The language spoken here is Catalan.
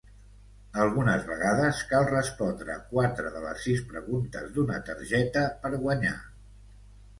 Algunes vegades cal respondre quatre de les sis preguntes d'una targeta per guanyar.